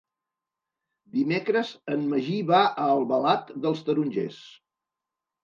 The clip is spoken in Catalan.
Dimecres en Magí va a Albalat dels Tarongers.